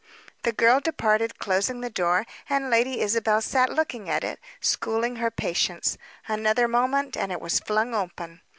The girl departed, closing the door, and Lady Isabel sat looking at it, schooling her patience. Another moment, and it was flung open.